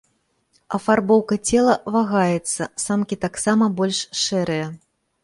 Афарбоўка цела вагаецца, самкі таксама больш шэрыя.